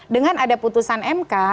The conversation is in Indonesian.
dengan ada putusan mk